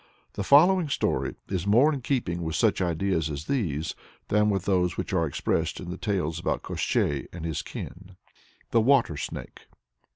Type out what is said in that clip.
The following story is more in keeping with such ideas as these, than with those which are expressed in the tales about Koshchei and his kin. THE WATER SNAKE.